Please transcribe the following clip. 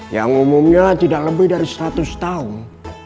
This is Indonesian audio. yang umumnya tidak lebih dari seratus tahun